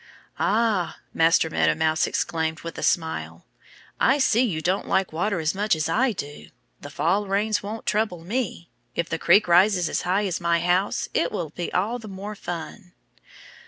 "Ah!" Master Meadow Mouse exclaimed with a smile. "I see you don't like water as much as I do. The fall rains won't trouble me. If the creek rises as high as my house it will be all the more fun."